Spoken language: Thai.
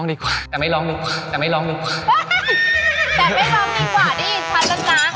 พี่เขาร้องเพลงดีนะฮะ